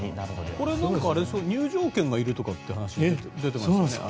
これ、入場券がいるという話が出てましたよね。